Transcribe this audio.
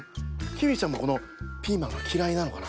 キーウィちゃんもこのピーマンがきらいなのかな？